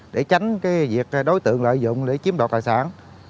để tránh cái việc đối tượng lợi dụng để chiếm đọc tài sản